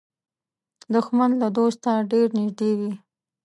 دښمن له دوسته ډېر نږدې وي